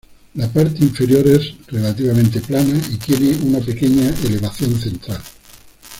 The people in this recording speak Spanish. La parte inferior es relativamente plana y tiene una pequeña elevación central.